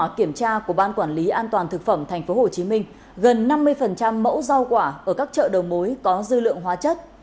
kiểm tra của ban quản lý an toàn thực phẩm tp hcm gần năm mươi mẫu rau quả ở các chợ đầu mối có dư lượng hóa chất